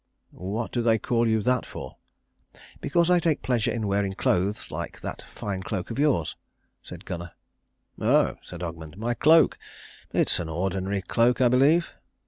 "What do they call you that for?" "Because I take pleasure in wearing clothes like that fine cloak of yours," said Gunnar. "Oh," said Ogmund, "my cloak! It is an ordinary cloak, I believe."